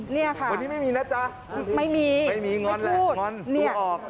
เหมือนที่ไม่มีนะจ๊ะไม่พูดไม่มีงอนแหละงอนดูออก